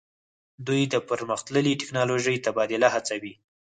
دوی د پرمختللې ټیکنالوژۍ تبادله هڅوي